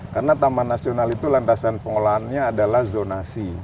karena taman nasional itu landasan pengelolaannya adalah zonasi